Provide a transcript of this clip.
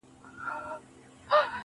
تر عرش چي څه رنگه کړه لنډه په رفتار کوڅه